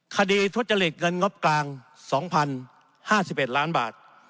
ทุจริตเงินงบกลาง๒๐๕๑ล้านบาท